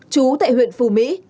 chú tại huyện phù mỹ